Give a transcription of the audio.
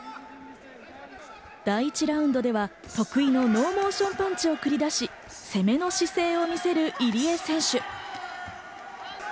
第１ラウンドでは得意のノーモーションパンチを繰り出し、攻めの姿勢を見せる入江選手。